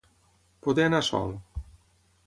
Poder anar sol.